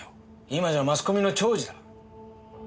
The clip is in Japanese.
今じゃマスコミの寵児だ。